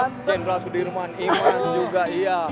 general sudirman imaas juga iya